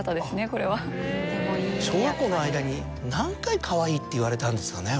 これは。小学校の間に何回かわいいって言われたんですかね